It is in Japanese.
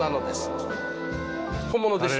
はい本物でした。